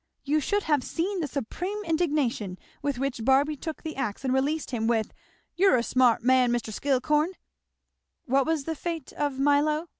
You should have seen the supreme indignation with which Barby took the axe and released him with 'You're a smart man, Mr. Skillcorn!'" "What was the fate of Milo?"